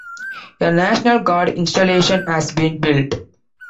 A National Guard installation has been built.